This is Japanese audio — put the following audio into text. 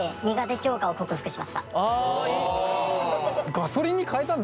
ガソリンに変えたんだね。